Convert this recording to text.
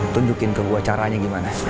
tunjukin ke gua caranya gimana